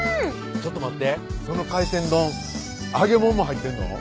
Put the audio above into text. ちょっと待ってその海鮮丼揚げもんも入ってんの？